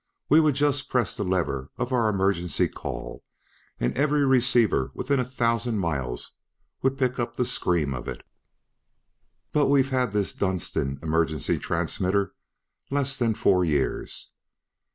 We would just press the lever of our emergency call, and every receiver within a thousand miles would pick up the scream of it. "But we've had this Dunston Emergency Transmitter less than four years.